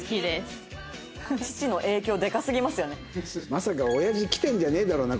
まさかおやじ来てんじゃねえだろうな？